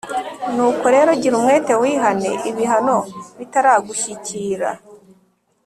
Nuko rero gira umwete wihane ibihano bitaragushyikira